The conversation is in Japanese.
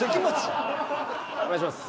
お願いします